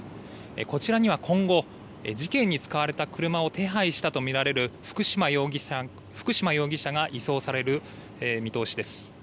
こちらには今後、事件に使われた車を手配したと見られる福島容疑者が移送される見通しです。